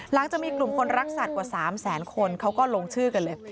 หลังจากมีกลุ่มคนรักสัตว์กว่า๓แสนคนเขาก็ลงชื่อกันเลย